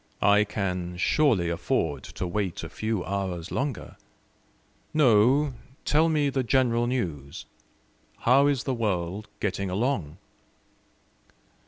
I can surely afford to wait a few hours longer. No, tell me the general news: how is the world getting along?